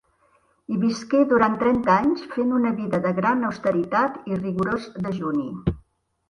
Hi visqué durant trenta anys, fent una vida de gran austeritat i rigorós dejuni.